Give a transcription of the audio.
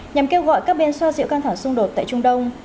nhằm kêu gọi các bên xoa dịu căng thẳng xung đột tại trung đông